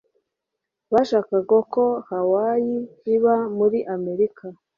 bashakaga ko hawaii iba muri amerika